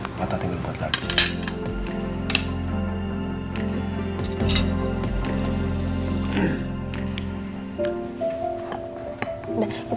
ya udah patah tinggal buat lagi